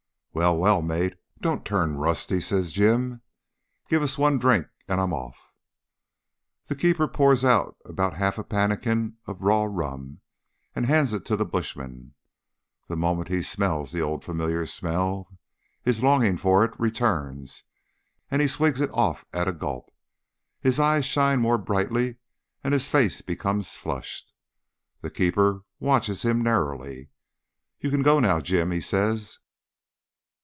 "Well, well, mate, don't turn rusty," says Jim. "Give us one drink an' I'm off." The keeper pours out about half a pannikin of raw rum and hands it to the bushman. The moment he smells the old familiar smell his longing for it returns, and he swigs it off at a gulp. His eyes shine more brightly and his face becomes flushed. The keeper watches him narrowly. "You can go now, Jim," he says.